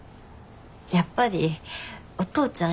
やっぱりお父ちゃん